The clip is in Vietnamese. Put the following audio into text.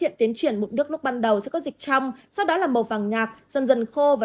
hiện tiến triển mụn nước lúc ban đầu sẽ có dịch trăm sau đó là màu vàng nhạt dần dần khô và